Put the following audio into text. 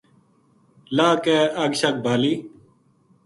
لاہ کے اگ شگ بالی